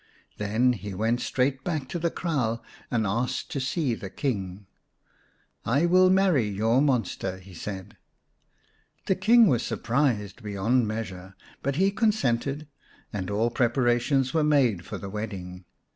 Then he went straight back to the kraal and asked to see the King. " I will marry your monster," he said. The King was surprised beyond measure, but he consented, and all preparations were made for the wedding.